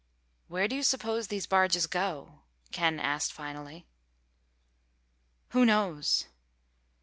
"Where do you suppose these barges go?" Ken asked finally. "Who knows?"